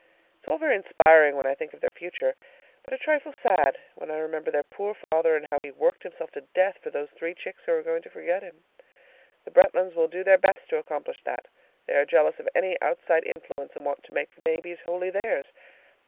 It's all very inspiring when I think of their futures, but a trifle sad when I remember their poor father, and how he worked himself to death for those three chicks who are going to forget him. The Bretlands will do their best to accomplish that. They are jealous of any outside influence and want to make the babies wholly theirs.